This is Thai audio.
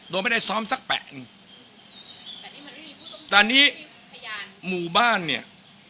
โดยไม่ได้ซ้อมสักแป่งแต่อันนี้หมู่บ้านเนี่ย